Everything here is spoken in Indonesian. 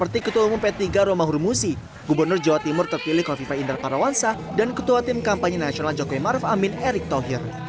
di ketua umum p tiga romah rumusi gubernur jawa timur terpilih kofi fai indra parawansa dan ketua tim kampanye nasional jokowi ma'ruf amin erick thohir